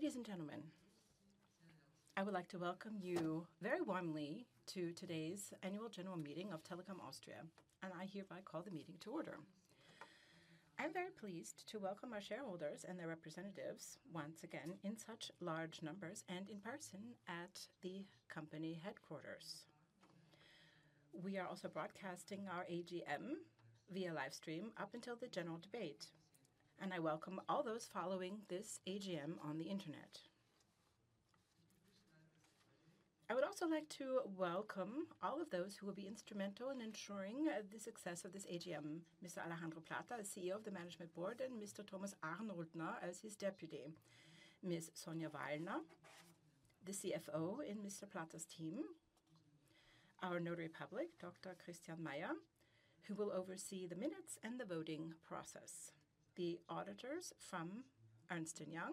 Ladies and gentlemen, I would like to welcome you very warmly to today's annual general meeting of Telekom Austria, and I hereby call the meeting to order. I'm very pleased to welcome our shareholders and their representatives once again in such large numbers and in person at the company headquarters. We are also broadcasting our AGM via livestream up until the general debate, and I welcome all those following this AGM on the internet. I would also like to welcome all of those who will be instrumental in ensuring the success of this AGM: Mr. Alejandro Plater, CEO of the Management Board, and Mr. Thomas Arnoldner as his deputy, Ms. Sonja Wallner, the CFO in Mr. Plater's team, our notary public, Dr. Christian Mayr, who will oversee the minutes and the voting process, the auditors from Ernst & Young,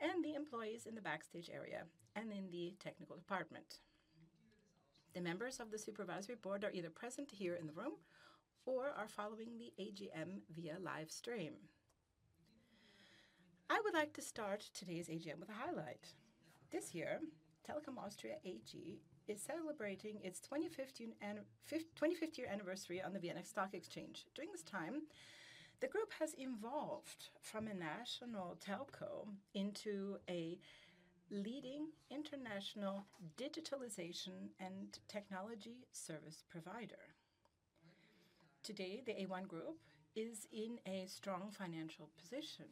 and the employees in the backstage area and in the technical department. The members of the supervisory board are either present here in the room or are following the AGM via livestream. I would like to start today's AGM with a highlight. This year, Telekom Austria AG is celebrating its 25th year anniversary on the Vienna Stock Exchange. During this time, the group has evolved from a national telco into a leading international digitalization and technology service provider. Today, the A1 Group is in a strong financial position,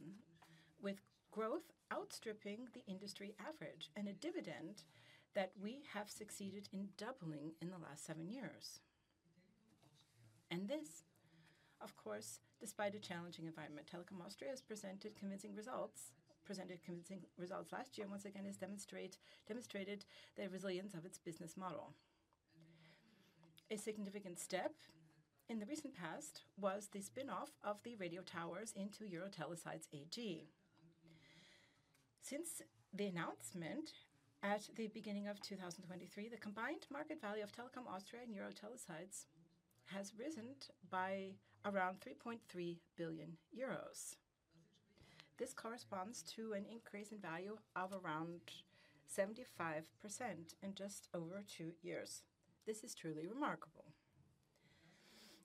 with growth outstripping the industry average and a dividend that we have succeeded in doubling in the last seven years. This, of course, despite a challenging environment, Telekom Austria has presented convincing results last year and once again has demonstrated the resilience of its business model. A significant step in the recent past was the spin-off of the radio towers into EuroTeleSites AG. Since the announcement at the beginning of 2023, the combined market value of Telekom Austria and EuroTeleSites has risen by around 3.3 billion euros. This corresponds to an increase in value of around 75% in just over two years. This is truly remarkable.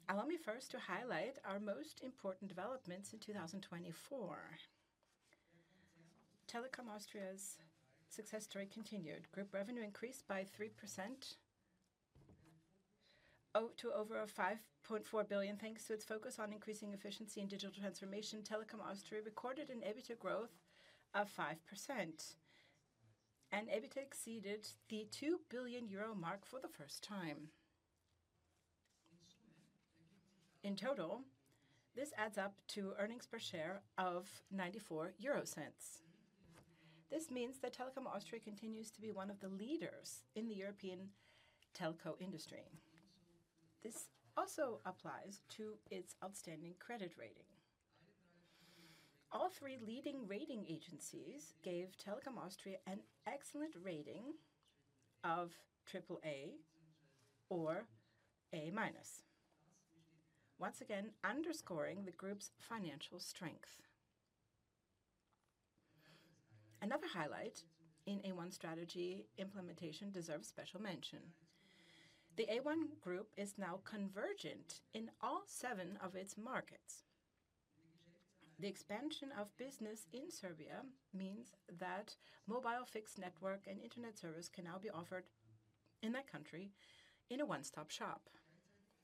Allow me first to highlight our most important developments in 2024. Telekom Austria's success story continued. Group revenue increased by 3% to over 5.4 billion. Thanks to its focus on increasing efficiency and digital transformation, Telekom Austria recorded an EBITDA growth of 5%, and EBITDA exceeded the 2 billion euro mark for the first time. In total, this adds up to earnings per share of 0.94. This means that Telekom Austria continues to be one of the leaders in the European telco industry. This also applies to its outstanding credit rating. All three leading rating agencies gave Telekom Austria an excellent rating of AAA or A minus, once again underscoring the Group's financial strength. Another highlight in A1 strategy implementation deserves special mention. The A1 Group is now convergent in all seven of its markets. The expansion of business in Serbia means that mobile fixed network and internet service can now be offered in that country in a one-stop shop.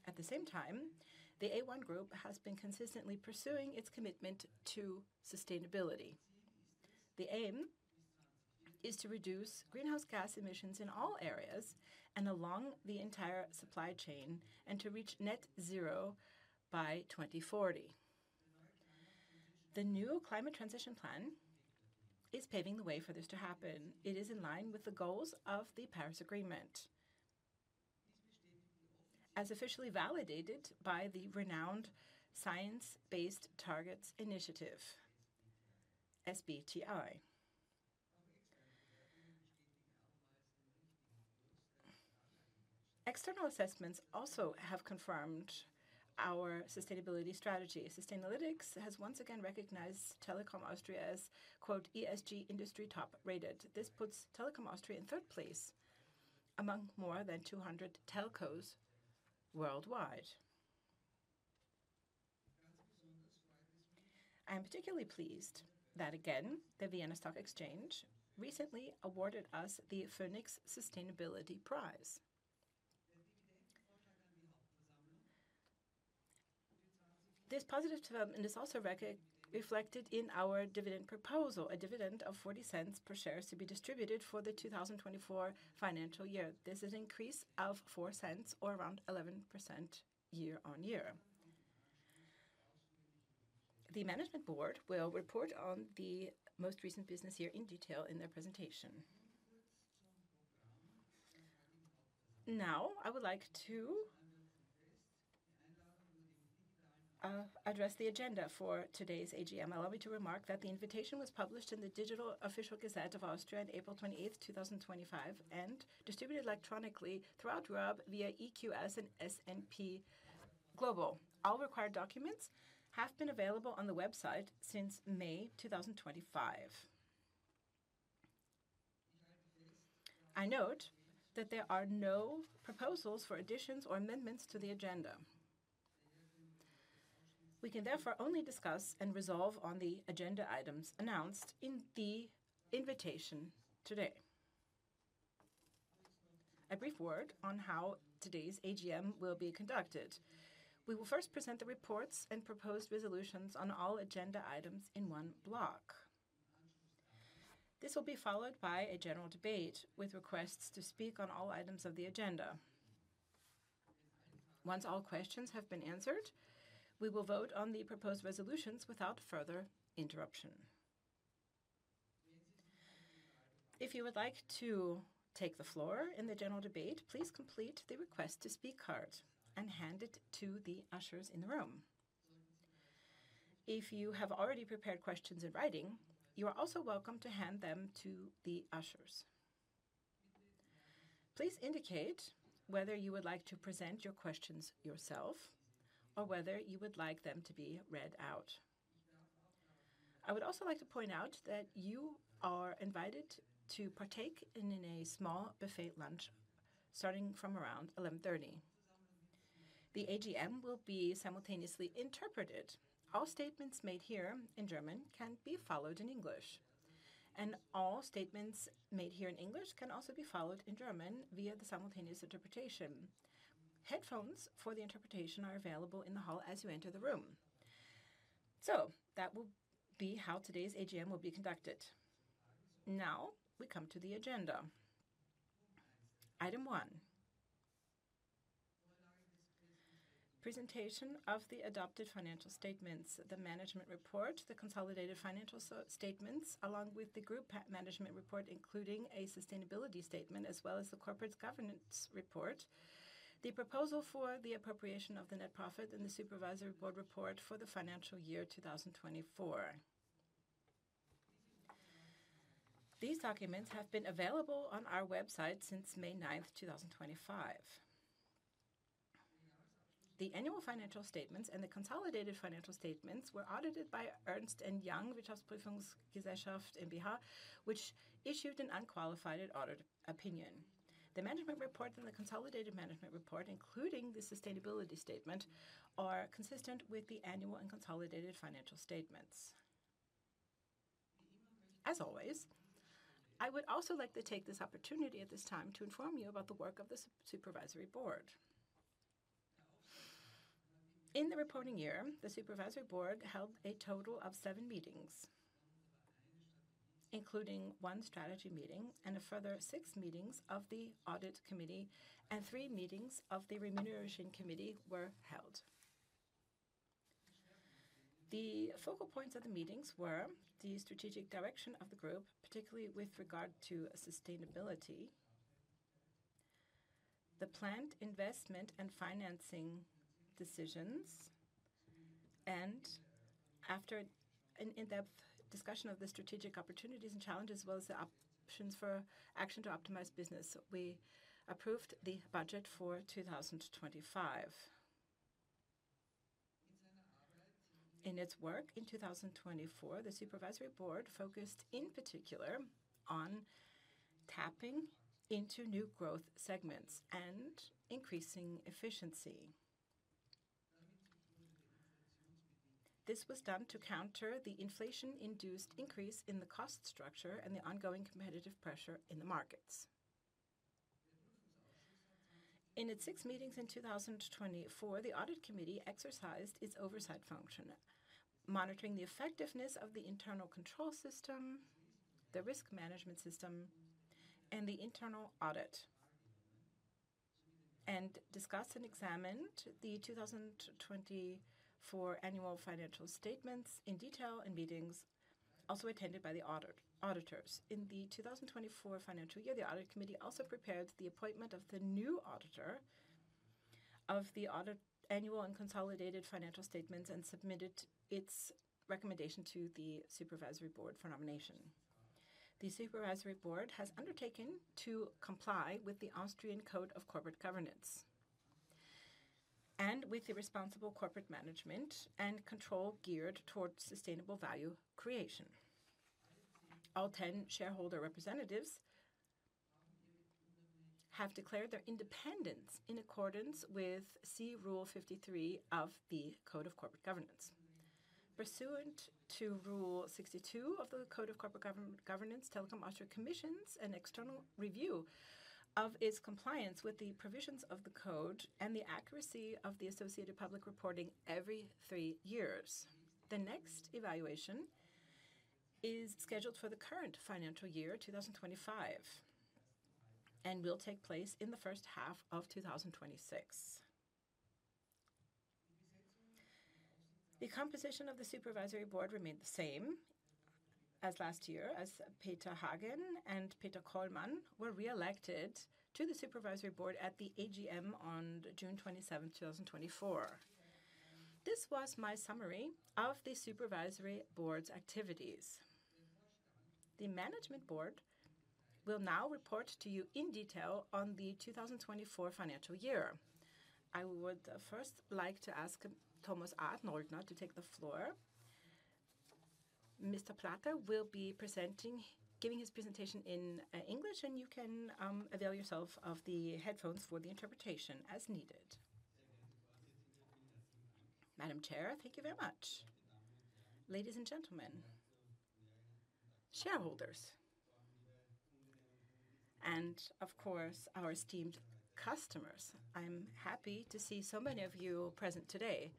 At the same time, the A1 Group has been consistently pursuing its commitment to sustainability. The aim is to reduce greenhouse gas emissions in all areas and along the entire supply chain and to reach net zero by 2040. The new climate transition plan is paving the way for this to happen. It is in line with the goals of the Paris Agreement, as officially validated by the renowned Science Based Targets initiative, SBTI. External assessments also have confirmed our sustainability strategy. Sustainalytics has once again recognized Telekom Austria as "ESG industry top-rated." This puts Telekom Austria in third place among more than 200 telcos worldwide. I am particularly pleased that, again, the Vienna Stock Exchange recently awarded us the Phoenix Sustainability Prize. This positive development is also reflected in our dividend proposal: a dividend of 0.40 per share to be distributed for the 2024 financial year. This is an increase of 0.04, or around 11% year on year. The Management Board will report on the most recent business year in detail in their presentation. Now, I would like to address the agenda for today's AGM. Allow me to remark that the invitation was published in the Digital Official Gazette of Austria on April 28, 2025, and distributed electronically throughout Europe via EQS and S&P Global. All required documents have been available on the website since May 2025. I note that there are no proposals for additions or amendments to the agenda. We can therefore only discuss and resolve on the agenda items announced in the invitation today. A brief word on how today's AGM will be conducted. We will first present the reports and proposed resolutions on all agenda items in one block. This will be followed by a general debate with requests to speak on all items of the agenda. Once all questions have been answered, we will vote on the proposed resolutions without further interruption. If you would like to take the floor in the general debate, please complete the request to speak card and hand it to the ushers in the room. If you have already prepared questions in writing, you are also welcome to hand them to the ushers. Please indicate whether you would like to present your questions yourself or whether you would like them to be read out. I would also like to point out that you are invited to partake in a small buffet lunch starting from around 11:30 A.M. The AGM will be simultaneously interpreted. All statements made here in German can be followed in English, and all statements made here in English can also be followed in German via the simultaneous interpretation. Headphones for the interpretation are available in the hall as you enter the room. That will be how today's AGM will be conducted. Now we come to the agenda. Item one: Presentation of the adopted financial statements, the management report, the consolidated financial statements, along with the group management report, including a sustainability statement, as well as the corporate governance report, the proposal for the appropriation of the net profit, and the Supervisory Board report for the financial year 2024. These documents have been available on our website since May 9, 2025. The annual financial statements and the consolidated financial statements were audited by Ernst & Young Wirtschaftsprüfungsgesellschaft in Vienna, which issued an unqualified audit opinion. The management report and the consolidated management report, including the sustainability statement, are consistent with the annual and consolidated financial statements. As always, I would also like to take this opportunity at this time to inform you about the work of the Supervisory Board. In the reporting year, the Supervisory Board held a total of seven meetings, including one strategy meeting and a further six meetings of the Audit Committee, and three meetings of the Remuneration Committee were held. The focal points of the meetings were the strategic direction of the Group, particularly with regard to sustainability, the planned investment and financing decisions, and after an in-depth discussion of the strategic opportunities and challenges, as well as the options for action to optimize business, we approved the budget for 2025. In its work in 2024, the Supervisory Board focused in particular on tapping into new growth segments and increasing efficiency. This was done to counter the inflation-induced increase in the cost structure and the ongoing competitive pressure in the markets. In its six meetings in 2024, the Audit Committee exercised its oversight function, monitoring the effectiveness of the internal control system, the risk management system, and the internal audit, and discussed and examined the 2024 annual financial statements in detail in meetings also attended by the auditors. In the 2024 financial year, the Audit Committee also prepared the appointment of the new auditor of the annual and consolidated financial statements and submitted its recommendation to the Supervisory Board for nomination. The Supervisory Board has undertaken to comply with the Austrian Code of Corporate Governance and with the responsible corporate management and control geared towards sustainable value creation. All 10 shareholder representatives have declared their independence in accordance with C Rule 53 of the Code of Corporate Governance. Pursuant to Rule 62 of the Code of Corporate Governance, Telekom Austria commissions an external review of its compliance with the provisions of the code and the accuracy of the associated public reporting every three years. The next evaluation is scheduled for the current financial year, 2025, and will take place in the first half of 2026. The composition of the Supervisory Board remained the same as last year, as Peter Hagen and Peter Kohlmann were re-elected to the Supervisory Board at the AGM on June 27, 2024. This was my summary of the Supervisory Board's activities. The Management Board will now report to you in detail on the 2024 financial year. I would first like to ask Thomas Arnoldner to take the floor. Mr. Plater will be giving his presentation in English, and you can avail yourself of the headphones for the interpretation as needed. Madam Chair, thank you very much. Ladies and gentlemen, shareholders, and of course, our esteemed customers. I'm happy to see so many of you present today.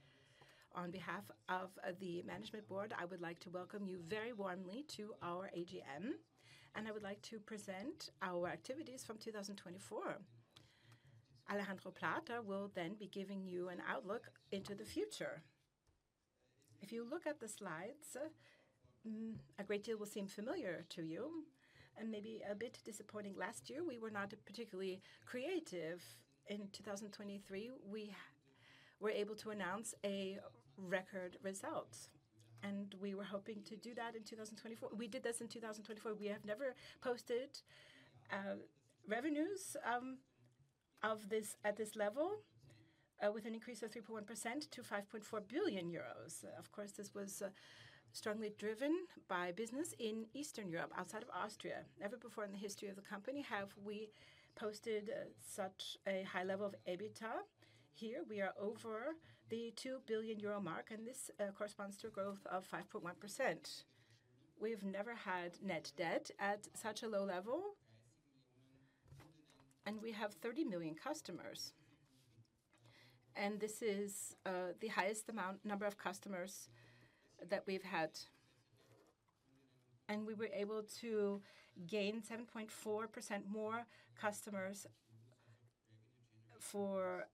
On behalf of the Management Board, I would like to welcome you very warmly to our AGM, and I would like to present our activities from 2024. Alejandro Plater will then be giving you an outlook into the future. If you look at the slides, a great deal will seem familiar to you and maybe a bit disappointing. Last year, we were not particularly creative. In 2023, we were able to announce a record result, and we were hoping to do that in 2024. We did this in 2024. We have never posted revenues at this level, with an increase of 3.1% to 5.4 billion euros. Of course, this was strongly driven by business in Eastern Europe, outside of Austria. Never before in the history of the company have we posted such a high level of EBITDA. Here we are over the 2 billion euro mark, and this corresponds to a growth of 5.1%. We've never had net debt at such a low level, and we have 30 million customers. This is the highest number of customers that we've had. We were able to gain 7.4% more customers for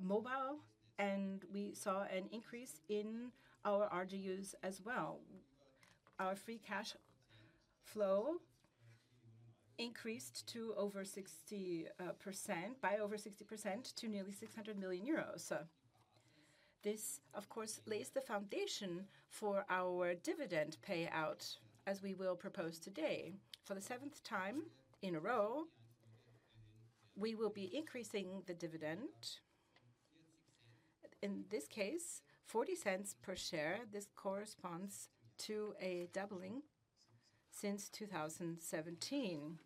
mobile, and we saw an increase in our RGUs as well. Our free cash flow increased by over 60% to nearly 600 million euros. This, of course, lays the foundation for our dividend payout, as we will propose today. For the seventh time in a row, we will be increasing the dividend. In this case, 0.40 per share. This corresponds to a doubling since 2017.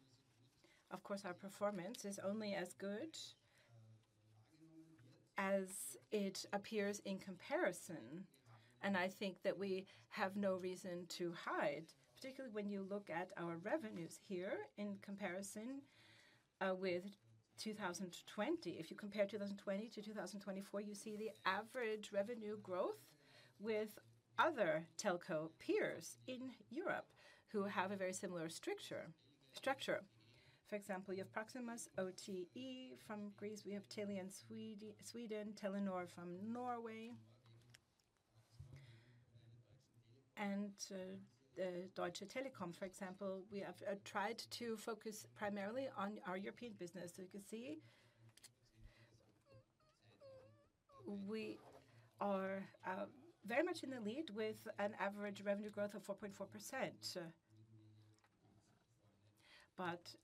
Of course, our performance is only as good as it appears in comparison, and I think that we have no reason to hide, particularly when you look at our revenues here in comparison with 2020. If you compare 2020 to 2024, you see the average revenue growth with other telco peers in Europe who have a very similar structure. For example, you have Proximus, OTE from Greece, we have Telia in Sweden, Telenor from Norway, and Deutsche Telekom, for example. We have tried to focus primarily on our European business. As you can see, we are very much in the lead with an average revenue growth of 4.4%.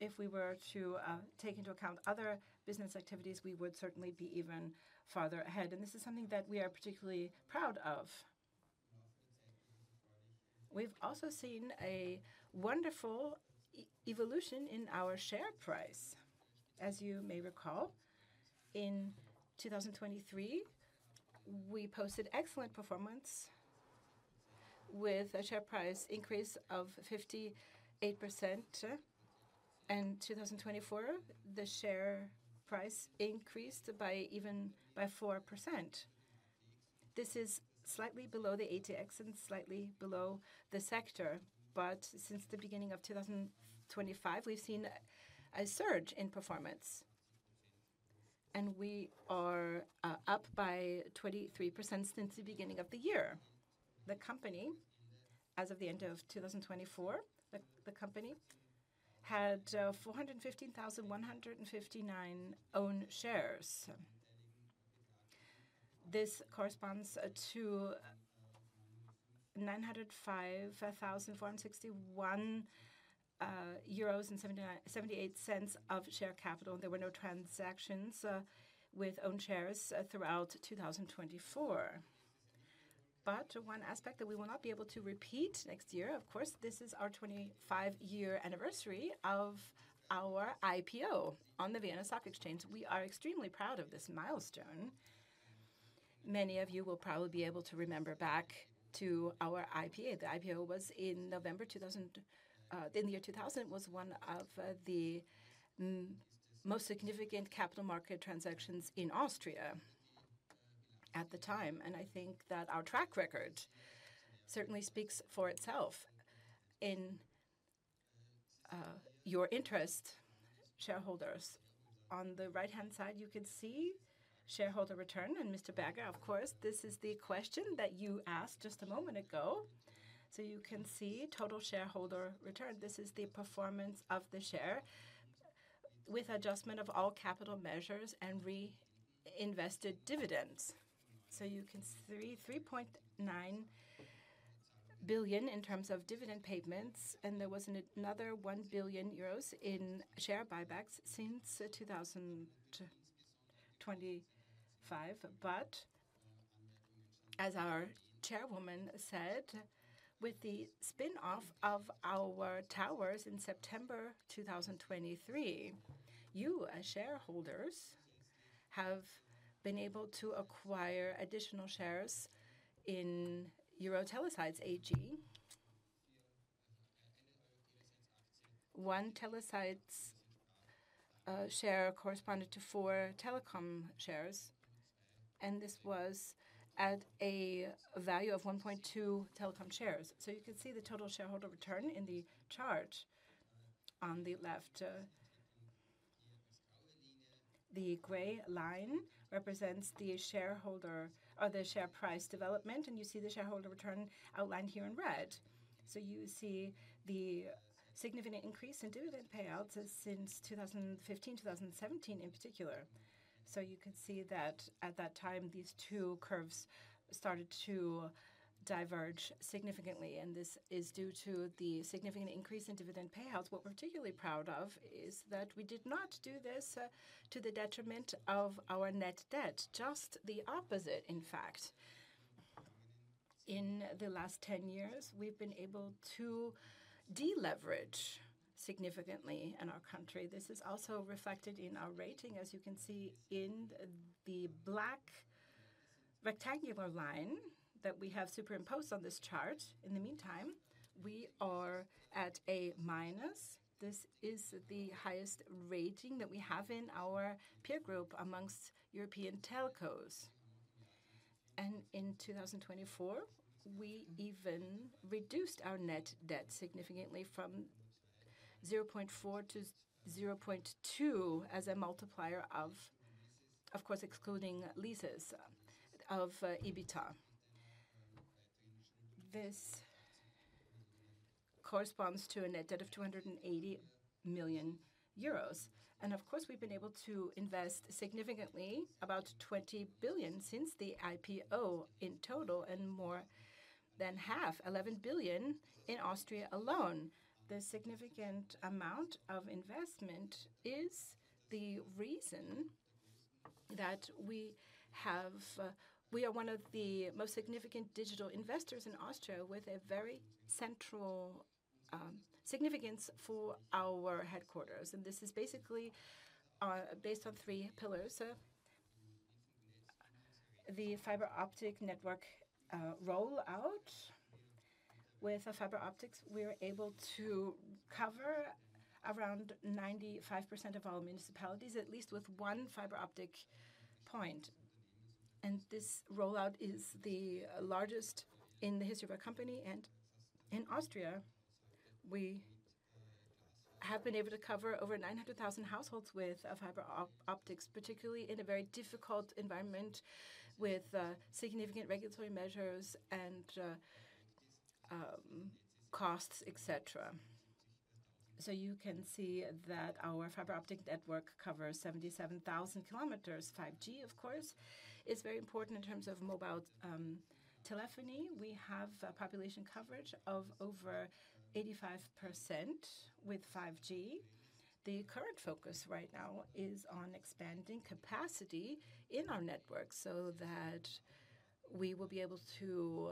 If we were to take into account other business activities, we would certainly be even farther ahead. This is something that we are particularly proud of. We've also seen a wonderful evolution in our share price. As you may recall, in 2023, we posted excellent performance with a share price increase of 58%. In 2024, the share price increased even by 4%. This is slightly below the ATX and slightly below the sector, but since the beginning of 2025, we've seen a surge in performance, and we are up by 23% since the beginning of the year. The company, as of the end of 2024, had 415,159 own shares. This corresponds to 905,461.78 euros of share capital. There were no transactions with own shares throughout 2024. One aspect that we will not be able to repeat next year, of course, this is our 25-year anniversary of our IPO on the Vienna Stock Exchange. We are extremely proud of this milestone. Many of you will probably be able to remember back to our IPO. The IPO was in November 2000. In the year 2000, it was one of the most significant capital market transactions in Austria at the time. I think that our track record certainly speaks for itself in your interest, shareholders. On the right-hand side, you can see shareholder return. Mr. Berger, of course, this is the question that you asked just a moment ago. You can see total shareholder return. This is the performance of the share with adjustment of all capital measures and reinvested dividends. You can see 3.9 billion in terms of dividend payments, and there was another 1 billion euros in share buybacks since 2025. As our Chairwoman said, with the spin-off of our towers in September 2023, you, as shareholders, have been able to acquire additional shares in EuroTeleSites AG. One EuroTeleSites AG share corresponded to four Telekom Austria AG shares, and this was at a value of 1.2 Telekom Austria AG shares. You can see the total shareholder return in the chart on the left. The gray line represents the shareholder or the share price development, and you see the shareholder return outlined here in red. You see the significant increase in dividend payouts since 2015, 2017 in particular. You can see that at that time, these two curves started to diverge significantly, and this is due to the significant increase in dividend payouts. What we're particularly proud of is that we did not do this to the detriment of our net debt. Just the opposite, in fact. In the last 10 years, we've been able to deleverage significantly in our country. This is also reflected in our rating, as you can see in the black rectangular line that we have superimposed on this chart. In the meantime, we are at a minus. This is the highest rating that we have in our peer group amongst European telcos. In 2024, we even reduced our net debt significantly from 0.4 to 0.2 as a multiplier of, of course, excluding leases of EBITDA. This corresponds to a net debt of 280 million euros. Of course, we have been able to invest significantly, about 20 billion since the IPO in total, and more than half, 11 billion in Austria alone. The significant amount of investment is the reason that we are one of the most significant digital investors in Austria with a very central significance for our headquarters. This is basically based on three pillars: the fiber optic network rollout with fiber optics. We're able to cover around 95% of all municipalities, at least with one fiber optic point. This rollout is the largest in the history of our company. In Austria, we have been able to cover over 900,000 households with fiber optics, particularly in a very difficult environment with significant regulatory measures and costs, etc. You can see that our fiber optic network covers 77,000 km. 5G, of course, is very important in terms of mobile telephony. We have a population coverage of over 85% with 5G. The current focus right now is on expanding capacity in our network so that we will be able to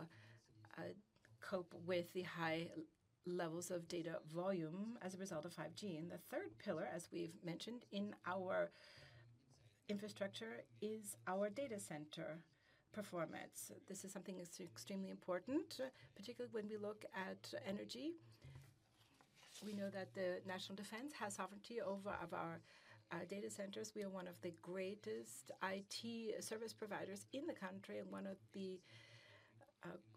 cope with the high levels of data volume as a result of 5G. The third pillar, as we've mentioned in our infrastructure, is our data center performance. This is something that's extremely important, particularly when we look at energy. We know that the National Defense has sovereignty over our data centers. We are one of the greatest IT service providers in the country and one of the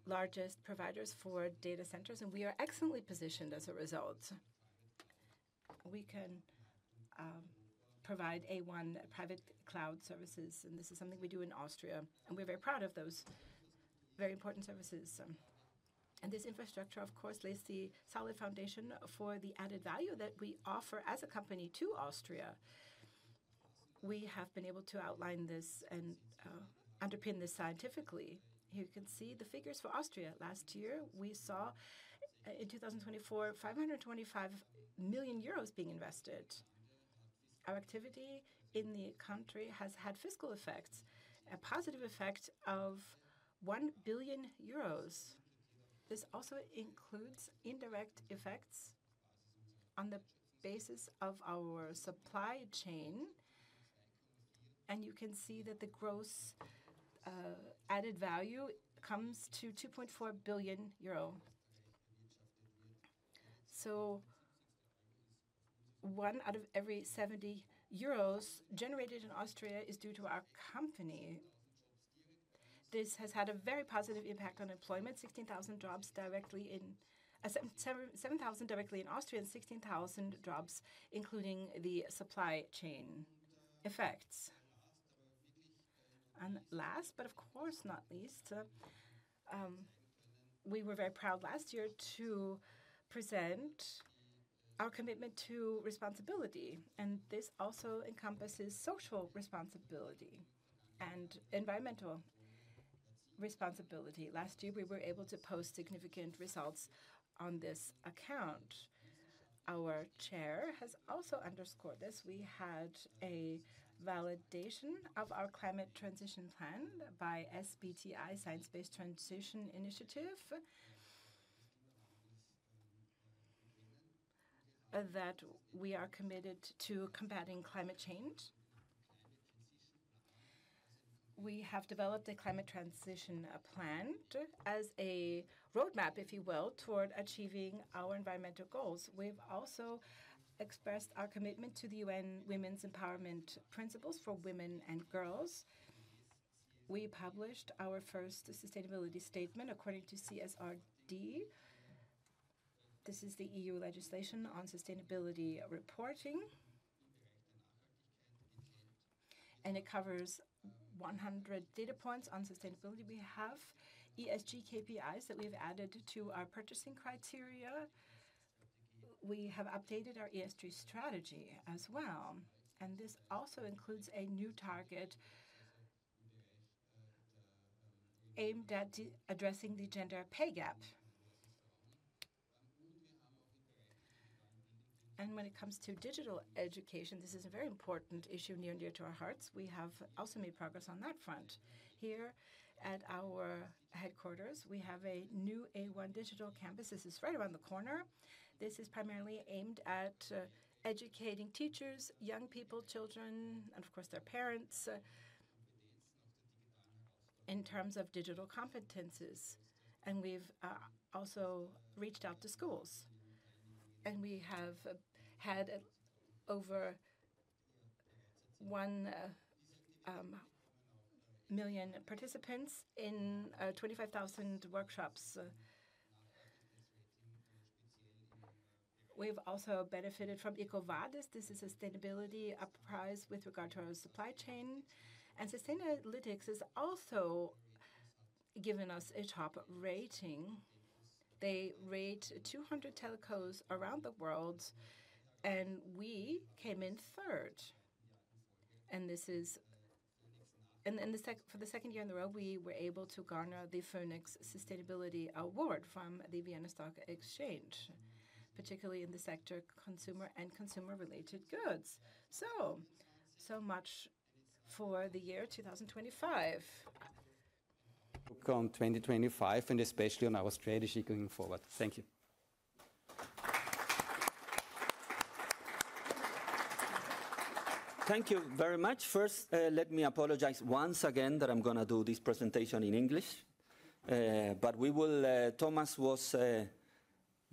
largest providers for data centers. We are excellently positioned as a result. We can provide A1 Private Cloud services, and this is something we do in Austria, and we are very proud of those very important services. This infrastructure, of course, lays the solid foundation for the added value that we offer as a company to Austria. We have been able to outline this and underpin this scientifically. You can see the figures for Austria. Last year, we saw in 2024, 525 million euros being invested. Our activity in the country has had fiscal effects, a positive effect of 1 billion euros. This also includes indirect effects on the basis of our supply chain. You can see that the gross added value comes to 2.4 billion euro. One out of every 70 euros generated in Austria is due to our company. This has had a very positive impact on employment: 16,000 jobs directly in Austria and 16,000 jobs, including the supply chain effects. Last, but of course not least, we were very proud last year to present our commitment to responsibility. This also encompasses social responsibility and environmental responsibility. Last year, we were able to post significant results on this account. Our Chair has also underscored this. We had a validation of our climate transition plan by SBTI, Science Based Targets initiative, that we are committed to combating climate change. We have developed a climate transition plan as a roadmap, if you will, toward achieving our environmental goals. have also expressed our commitment to the UN Women's Empowerment Principles for Women and Girls. We published our first sustainability statement according to CSRD. This is the EU legislation on sustainability reporting. It covers 100 data points on sustainability. We have ESG KPIs that we have added to our purchasing criteria. We have updated our ESG strategy as well. This also includes a new target aimed at addressing the gender pay gap. When it comes to digital education, this is a very important issue near and dear to our hearts. We have also made progress on that front. Here at our headquarters, we have a new A1 Digital Campus. This is right around the corner. This is primarily aimed at educating teachers, young people, children, and of course their parents in terms of digital competencies. We have also reached out to schools. We have had over 1 million participants in 25,000 workshops. We have also benefited from EcoWattis. This is a sustainability prize with regard to our supply chain. Sustainalytics has also given us a top rating. They rate 200 telcos around the world, and we came in third. For the second year in a row, we were able to garner the Phoenix Sustainability Award from the Vienna Stock Exchange, particularly in the sector, consumer and consumer-related goods. So much for the year 2025. Look on 2025 and especially on our strategy going forward. Thank you. Thank you very much. First, let me apologize once again that I'm going to do this presentation in English. Thomas was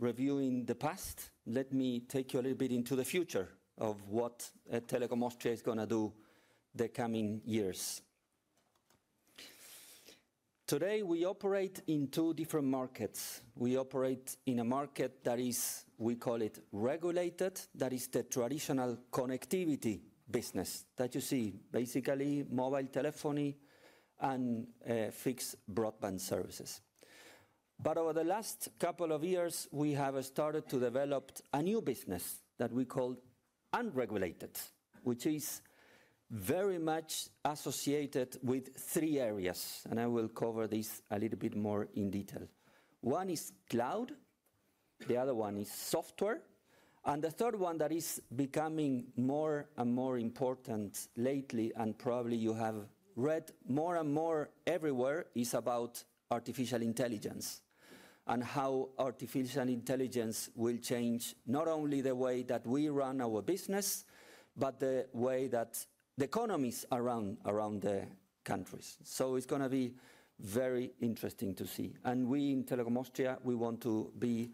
reviewing the past. Let me take you a little bit into the future of what Telekom Austria is going to do the coming years. Today, we operate in two different markets. We operate in a market that is, we call it regulated, that is the traditional connectivity business that you see, basically mobile telephony and fixed broadband services. Over the last couple of years, we have started to develop a new business that we call unregulated, which is very much associated with three areas. I will cover this a little bit more in detail. One is cloud, the other one is software, and the third one that is becoming more and more important lately, and probably you have read more and more everywhere, is about artificial intelligence and how artificial intelligence will change not only the way that we run our business, but the way that the economies around the countries. It is going to be very interesting to see. We in Telekom Austria, we want to be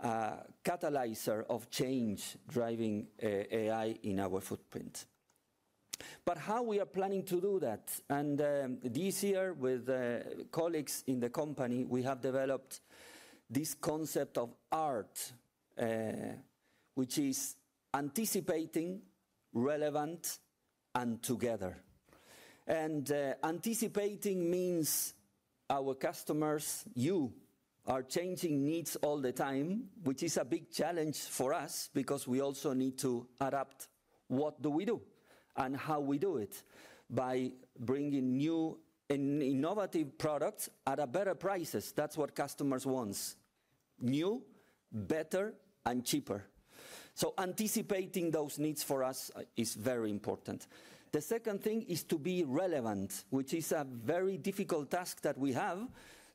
a catalyzer of change driving AI in our footprint. How are we planning to do that? This year, with colleagues in the company, we have developed this concept of ART, which is anticipating, relevant, and together. Anticipating means our customers, you, are changing needs all the time, which is a big challenge for us because we also need to adapt what we do and how we do it by bringing new and innovative products at better prices. That is what customers want: new, better, and cheaper. Anticipating those needs for us is very important. The second thing is to be relevant, which is a very difficult task. We have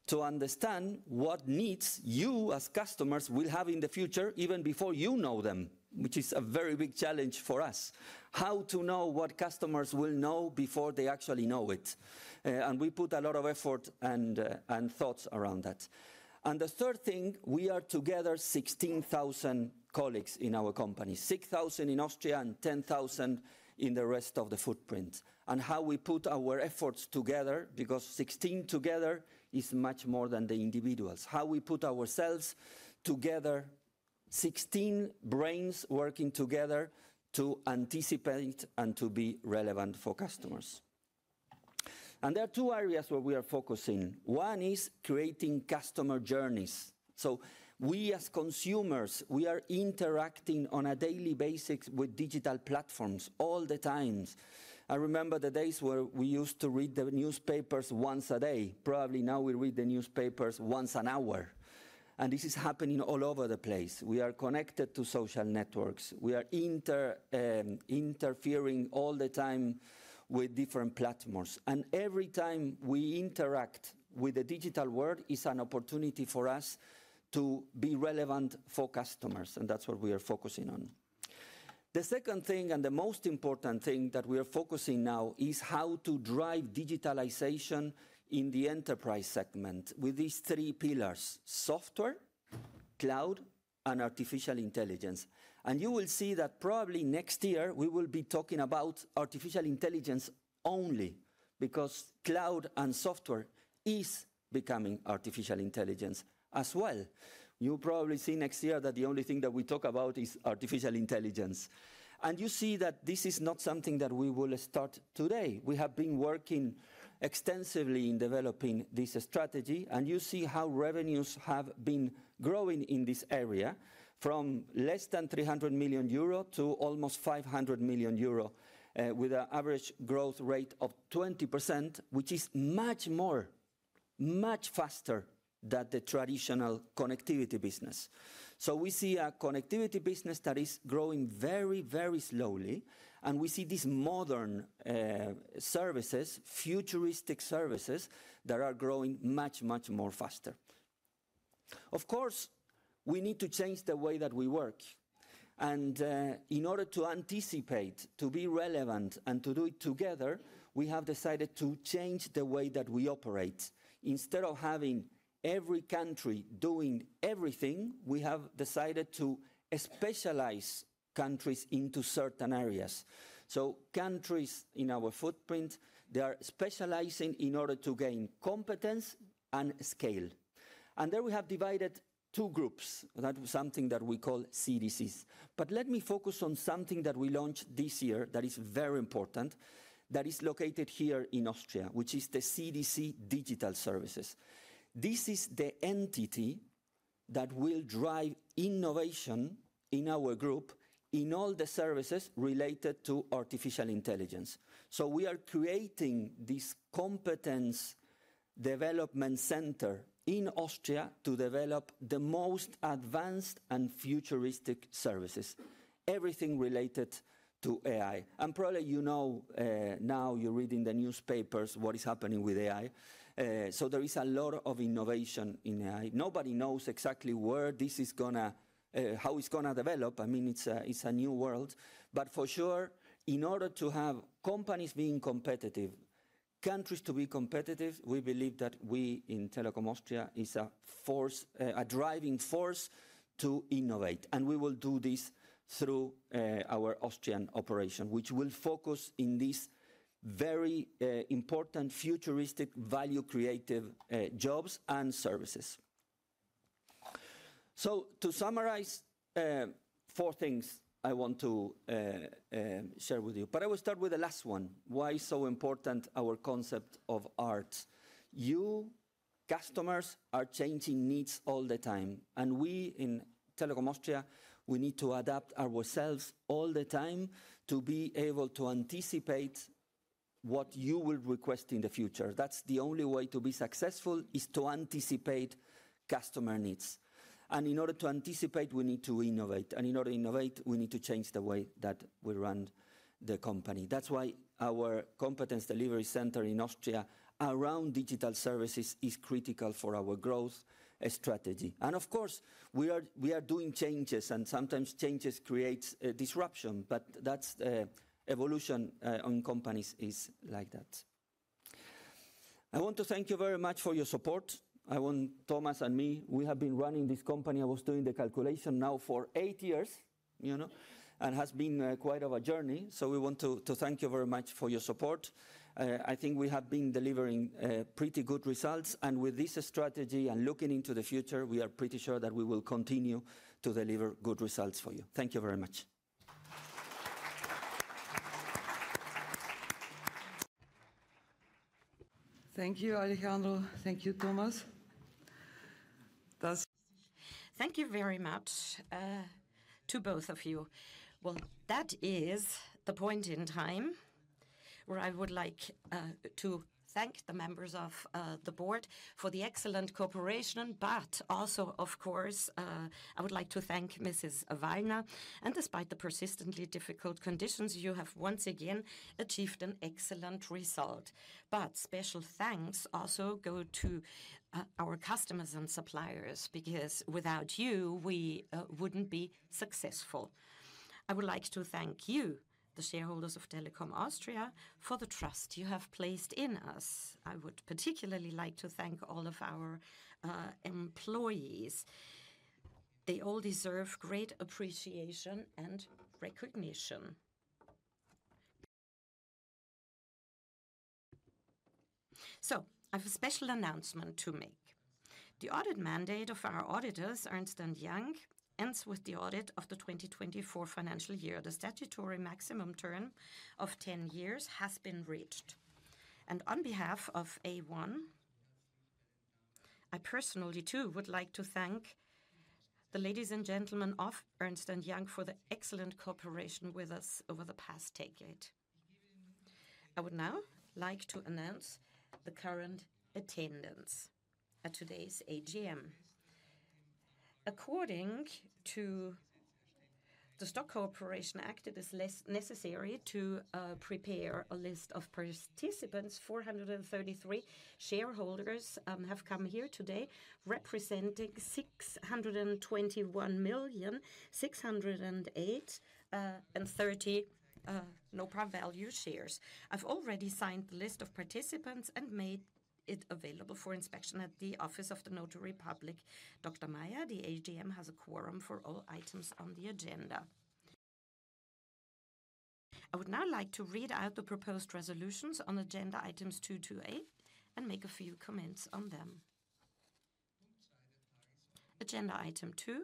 to understand what needs you as customers will have in the future, even before you know them, which is a very big challenge for us. How to know what customers will know before they actually know it? We put a lot of effort and thoughts around that. The third thing, we are together 16,000 colleagues in our company, 6,000 in Austria and 10,000 in the rest of the footprint. How we put our efforts together, because 16 together is much more than the individuals, how we put ourselves together, 16 brains working together to anticipate and to be relevant for customers. There are two areas where we are focusing. One is creating customer journeys. We as consumers, we are interacting on a daily basis with digital platforms all the time. I remember the days where we used to read the newspapers once a day. Probably now we read the newspapers once an hour. This is happening all over the place. We are connected to social networks. We are interfering all the time with different platforms. Every time we interact with the digital world, it's an opportunity for us to be relevant for customers. That's what we are focusing on. The second thing, and the most important thing that we are focusing on now, is how to drive digitalization in the enterprise segment with these three pillars: software, cloud, and artificial intelligence. You will see that probably next year we will be talking about artificial intelligence only because cloud and software is becoming artificial intelligence as well. You'll probably see next year that the only thing that we talk about is artificial intelligence. You see that this is not something that we will start today. We have been working extensively in developing this strategy. You see how revenues have been growing in this area from less than 300 million euro to almost 500 million euro with an average growth rate of 20%, which is much more, much faster than the traditional connectivity business. We see a connectivity business that is growing very, very slowly. We see these modern services, futuristic services that are growing much, much more faster. Of course, we need to change the way that we work. In order to anticipate, to be relevant, and to do it together, we have decided to change the way that we operate. Instead of having every country doing everything, we have decided to specialize countries into certain areas. Countries in our footprint are specializing in order to gain competence and scale. There we have divided two groups. That is something that we call CDCs. Let me focus on something that we launched this year that is very important, that is located here in Austria, which is the CDC Digital Services. This is the entity that will drive innovation in our group in all the services related to artificial intelligence. We are creating this competence development center in Austria to develop the most advanced and futuristic services, everything related to AI. Probably you know now, you're reading the newspapers, what is happening with AI. There is a lot of innovation in AI. Nobody knows exactly where this is going to, how it's going to develop. I mean, it's a new world. For sure, in order to have companies being competitive, countries to be competitive, we believe that we in Telekom Austria is a driving force to innovate. We will do this through our Austrian operation, which will focus on these very important futuristic value-creative jobs and services. To summarize, four things I want to share with you. I will start with the last one. Why is it so important, our concept of ART? You, customers, are changing needs all the time. We in Telekom Austria, we need to adapt ourselves all the time to be able to anticipate what you will request in the future. The only way to be successful is to anticipate customer needs. In order to anticipate, we need to innovate. In order to innovate, we need to change the way that we run the company. That is why our competence delivery center in Austria around digital services is critical for our growth strategy. Of course, we are doing changes, and sometimes changes create disruption. That is the evolution in companies, it is like that. I want to thank you very much for your support. Thomas and me, we have been running this company. I was doing the calculation now for eight years, you know, and it has been quite a journey. We want to thank you very much for your support. I think we have been delivering pretty good results. With this strategy and looking into the future, we are pretty sure that we will continue to deliver good results for you. Thank you very much. Thank you, Alejandro. Thank you, Thomas. Thank you very much to both of you. That is the point in time where I would like to thank the members of the board for the excellent cooperation. Also, of course, I would like to thank Mrs. Wilner. Despite the persistently difficult conditions, you have once again achieved an excellent result. Special thanks also go to our customers and suppliers because without you, we would not be successful. I would like to thank you, the shareholders of Telekom Austria, for the trust you have placed in us. I would particularly like to thank all of our employees. They all deserve great appreciation and recognition. I have a special announcement to make. The audit mandate of our auditors, Ernst & Young, ends with the audit of the 2024 financial year. The statutory maximum term of 10 years has been reached. On behalf of A1, I personally too would like to thank the ladies and gentlemen of Ernst & Young for the excellent cooperation with us over the past decade. I would now like to announce the current attendance at today's AGM. According to the Stock Corporation Act, it is necessary to prepare a list of participants. Four hundred thirty-three shareholders have come here today representing 621,608 and 30 no-par value shares. I have already signed the list of participants and made it available for inspection at the Office of the Notary Public. Dr. Mayr, the AGM has a quorum for all items on the agenda. I would now like to read out the proposed resolutions on agenda items 2 to 8 and make a few comments on them. Agenda item two,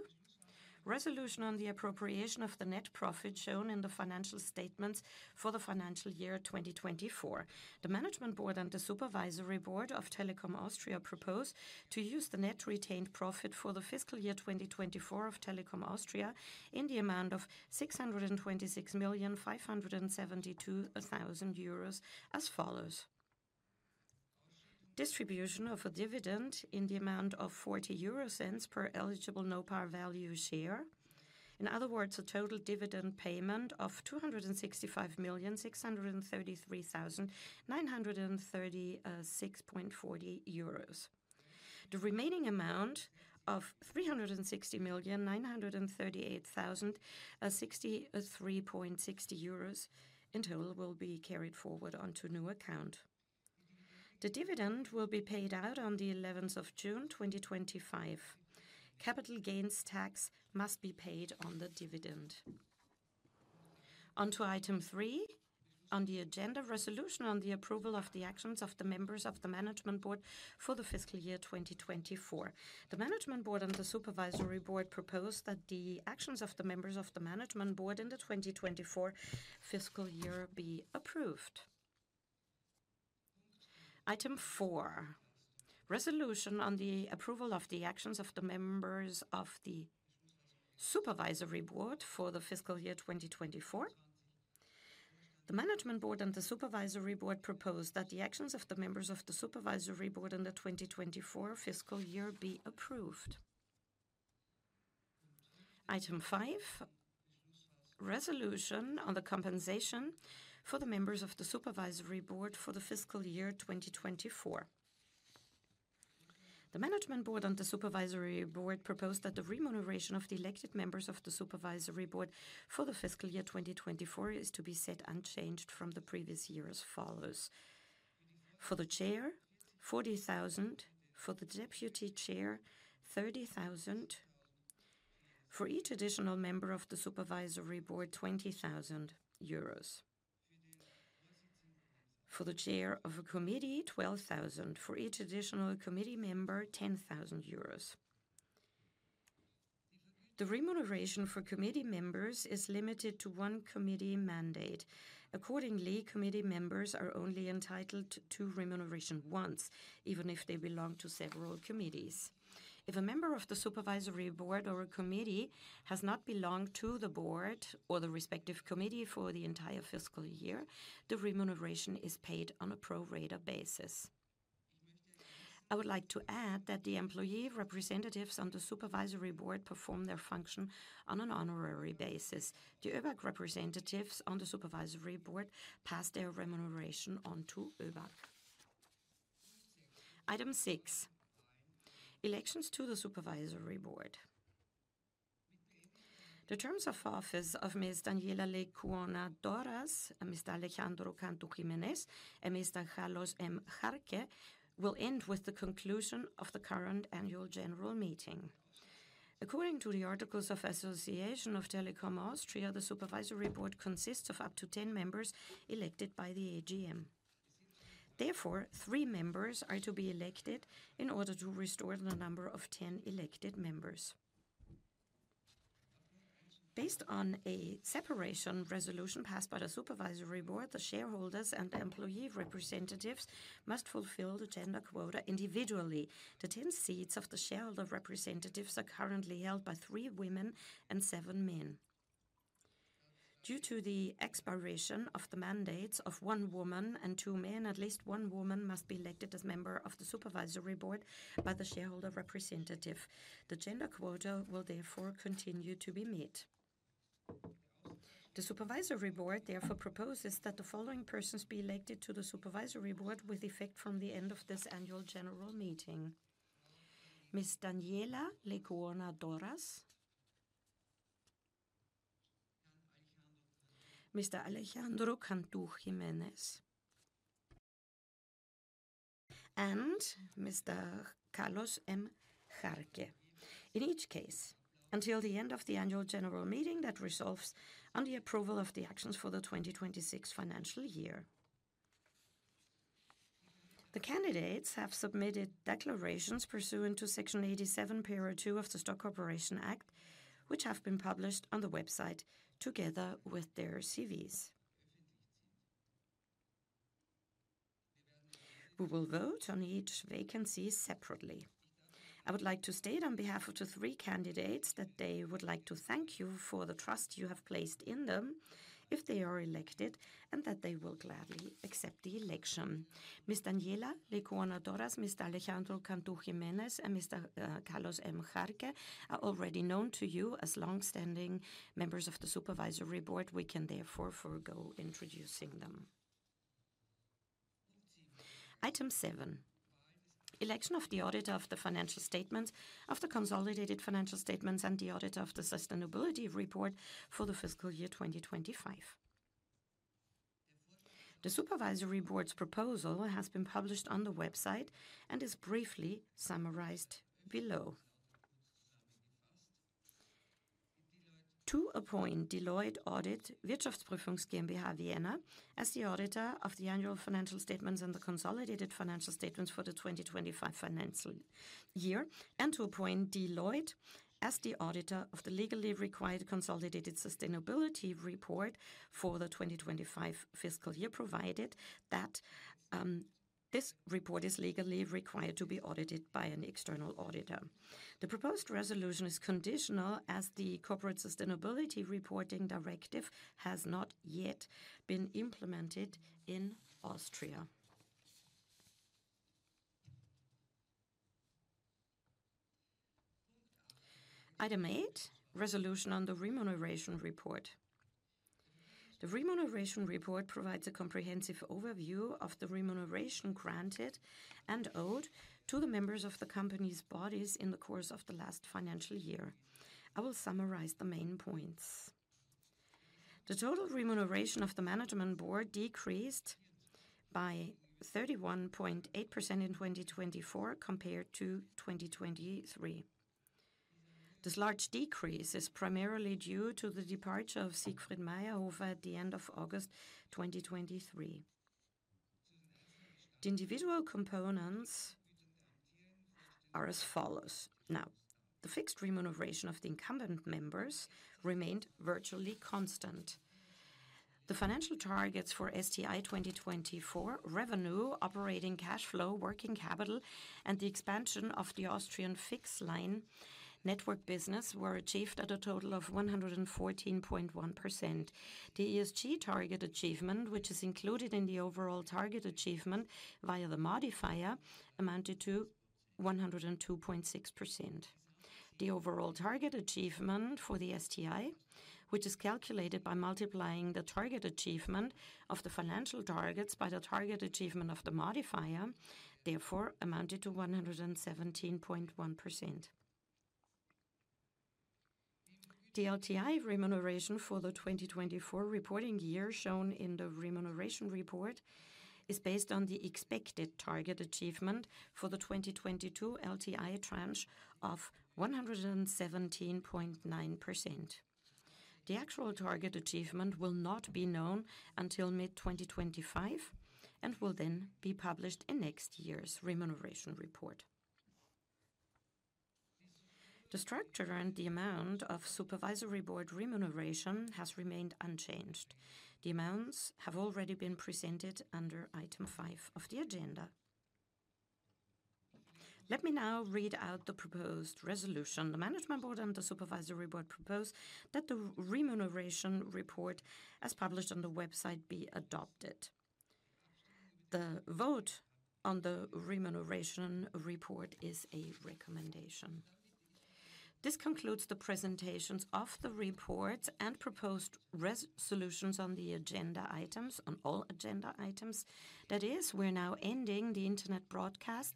resolution on the appropriation of the net profit shown in the financial statements for the financial year 2024. The Management Board and the Supervisory Board of Telekom Austria propose to use the net retained profit for the fiscal year 2024 of Telekom Austria in the amount of 626,572,000 euros as follows. Distribution of a dividend in the amount of 0.40 per eligible no-par value share. In other words, a total dividend payment of 265,633,936.40 euros. The remaining amount of 360,938,063.60 euros in total will be carried forward onto a new account. The dividend will be paid out on the 11th of June 2025. Capital gains tax must be paid on the dividend. Onto item three on the agenda, resolution on the approval of the actions of the members of the Management Board for the fiscal year 2024. The Management Board and the Supervisory Board propose that the actions of the members of the Management Board in the 2024 fiscal year be approved. Item four, resolution on the approval of the actions of the members of the Supervisory Board for the fiscal year 2024. The Management Board and the Supervisory Board propose that the actions of the members of the Supervisory Board in the 2024 fiscal year be approved. Item file, resolution on the compensation for the members of the Supervisory Board for the fiscal year 2024. The Management Board and the Supervisory Board propose that the remuneration of the elected members of the Supervisory Board for the fiscal year 2024 is to be set unchanged from the previous year as follows. For the Chair, 40,000; for the Deputy Chair, 30,000; for each additional member of the Supervisory Board, 20,000 euros. For the Chair of a committee, 12,000; for each additional committee member, 10,000 euros. The remuneration for committee members is limited to one committee mandate. Accordingly, committee members are only entitled to remuneration once, even if they belong to several committees. If a member of the supervisory board or a committee has not belonged to the board or the respective committee for the entire fiscal year, the remuneration is paid on a pro rata basis. I would like to add that the employee representatives on the supervisory board perform their function on an honorary basis. The ÖBAG representatives on the supervisory board pass their remuneration onto ÖBAG. Item six, elections to the supervisory board. The terms of office of Ms. Daniela Leicuona Doras, Mr. Alejandro Cantu Jiménez, and Mr. Carlos M. Jarque will end with the conclusion of the current annual general meeting. According to the Articles of Association of Telekom Austria, the supervisory board consists of up to 10 members elected by the AGM. Therefore, three members are to be elected in order to restore the number of 10 elected members. Based on a separation resolution passed by the supervisory board, the shareholders and employee representatives must fulfill the gender quota individually. The 10 seats of the shareholder representatives are currently held by three women and seven men. Due to the expiration of the mandates of one woman and two men, at least one woman must be elected as member of the supervisory board by the shareholder representative. The gender quota will therefore continue to be met. The supervisory board therefore proposes that the following persons be elected to the supervisory board with effect from the end of this annual general meeting: Ms. Daniela Leicuona Doras, Mr. Alejandro Cantu Jiménez, and Mr. Carlos M. Jarque. In each case, until the end of the annual general meeting, that resolves on the approval of the actions for the 2026 financial year. The candidates have submitted declarations pursuant to Section 87, Paragraph 2 of the Stock Corporation Act, which have been published on the website together with their CVs. We will vote on each vacancy separately. I would like to state on behalf of the three candidates that they would like to thank you for the trust you have placed in them if they are elected and that they will gladly accept the election. Ms. Daniela Leicuona Doras, Mr. Alejandro Cantu Jiménez, and Mr. Carlos M. Jarque are already known to you as long-standing members of the supervisory board. We can therefore forgo introducing them. Item seven, election of the auditor of the financial statements of the consolidated financial statements and the auditor of the sustainability report for the fiscal year 2025. The supervisory board's proposal has been published on the website and is briefly summarized below. To appoint Deloitte Audit Wirtschaftsprüfungs GmbH Vienna as the auditor of the annual financial statements and the consolidated financial statements for the 2025 financial year and to appoint Deloitte as the auditor of the legally required consolidated sustainability report for the 2025 fiscal year, provided that this report is legally required to be audited by an external auditor. The proposed resolution is conditional as the Corporate Sustainability Reporting Directive has not yet been implemented in Austria. Item eight, resolution on the remuneration report. The remuneration report provides a comprehensive overview of the remuneration granted and owed to the members of the company's bodies in the course of the last financial year. I will summarize the main points. The total remuneration of the Management Board decreased by 31.8% in 2024 compared to 2023. This large decrease is primarily due to the departure of Siegfried Mayrhofer at the end of August 2023. The individual components are as follows. Now, the fixed remuneration of the incumbent members remained virtually constant. The financial targets for STI 2024, revenue, operating cash flow, working capital, and the expansion of the Austrian fixed line network business were achieved at a total of 114.1%. The ESG target achievement, which is included in the overall target achievement via the modifier, amounted to 102.6%. The overall target achievement for the STI, which is calculated by multiplying the target achievement of the financial targets by the target achievement of the modifier, therefore amounted to 117.1%. The LTI remuneration for the 2024 reporting year shown in the remuneration report is based on the expected target achievement for the 2022 LTI tranche of 117.9%. The actual target achievement will not be known until mid-2025 and will then be published in next year's remuneration report. The structure and the amount of supervisory board remuneration has remained unchanged. The amounts have already been presented under item five of the agenda. Let me now read out the proposed resolution. The management board and the supervisory board propose that the remuneration report as published on the website be adopted. The vote on the remuneration report is a recommendation. This concludes the presentations of the reports and proposed resolutions on the agenda items, on all agenda items. That is, we are now ending the internet broadcast.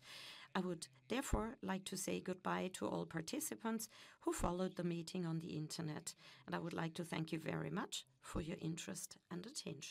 I would therefore like to say goodbye to all participants who followed the meeting on the internet. I would like to thank you very much for your interest and attention.